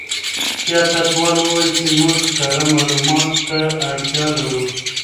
سیاستوال وویل چې موږ کره معلوماتو ته اړتیا لرو.